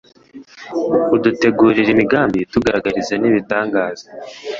udutegurira imigambi utugaragariza n’ibitangaza